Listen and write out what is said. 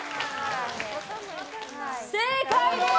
正解です！